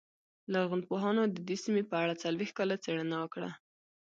لرغونپوهانو د دې سیمې په اړه څلوېښت کاله څېړنه وکړه